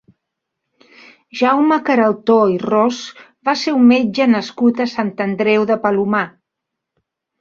Jaume Queraltó i Ros va ser un metge nascut a Sant Andreu de Palomar.